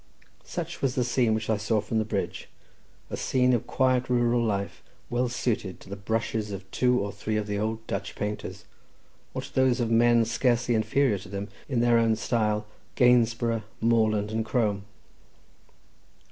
Such was the scene which I saw from the bridge, a scene of quiet rural life well suited to the brushes of two or three of the old Dutch painters, or to those of men scarcely inferior to them in their own style—Gainsborough, Moreland, and Crome.